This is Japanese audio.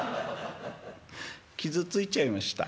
傷ついちゃいました。